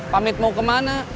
pamit mau kemana